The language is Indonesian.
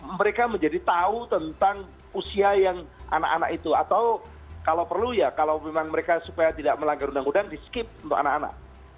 mereka menjadi tahu tentang usia yang anak anak itu atau kalau perlu ya kalau memang mereka supaya tidak melanggar undang undang di skip untuk anak anak